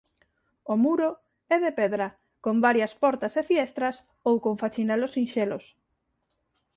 O muro é de pedra con varias portas e fiestras ou con fachinelos sinxelos.